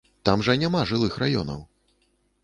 Там жа няма жылых раёнаў!